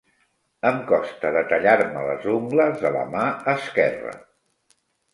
Em costa de tallar-me les ungles de la mà esquerra.